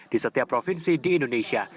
di setiap provinsi di indonesia